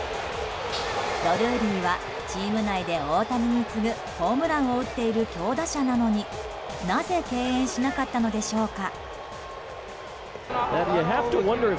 ドルーリーはチーム内で大谷に次ぐホームランを打っている強打者なのになぜ敬遠しなかったのでしょうか。